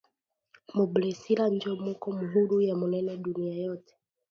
Mu bresila njo muko muhuru ya munene dunia yote